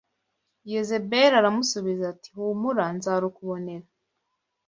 Yezebeli aramusubiza ati humura, nzarukubonera